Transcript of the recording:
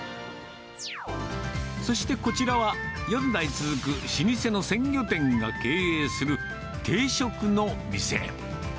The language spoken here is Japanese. そしてこちらは、４代続く老舗の鮮魚店が経営する定食の店。